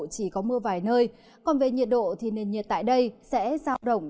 chỉ có mưa vài nơi còn về nhiệt độ thì nền nhiệt tại đây sẽ giao động